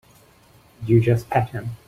You just pat him.